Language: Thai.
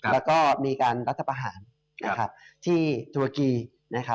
แล้วก็มีการรัฐประหารที่เทวาเกียร์